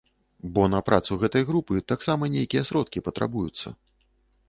Бо на працу гэтай групы таксама нейкія сродкі патрабуюцца.